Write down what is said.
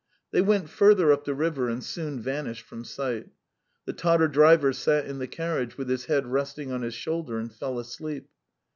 They went further up the river and soon vanished from sight. The Tatar driver sat in the carriage with his head resting on his shoulder and fell asleep.